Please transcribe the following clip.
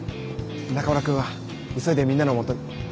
中村くんは急いでみんなのもとに。